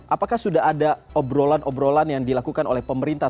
apakah sudah ada obrolan obrolan yang dilakukan oleh pemerintah